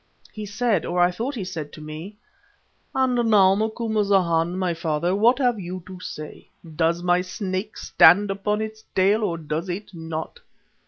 He said, or I thought he said, to me: "And now, Macumazana, my father, what have you to say? Does my Snake stand upon its tail or does it not?